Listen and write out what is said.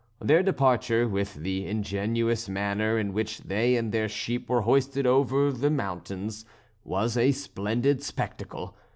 Their departure, with the ingenious manner in which they and their sheep were hoisted over the mountains, was a splendid spectacle.